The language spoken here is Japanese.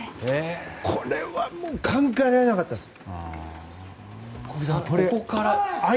これはもう考えられなかったです。